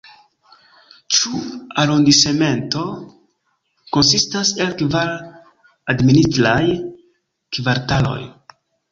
Ĉiu arondismento konsistas el kvar administraj kvartaloj.